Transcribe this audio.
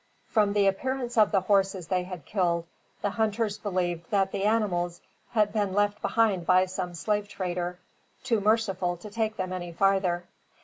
From the appearance of the horses they had killed, the hunters believed that the animals had been left behind by some slave trader, too merciful to take them any farther.